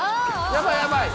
やばいやばい。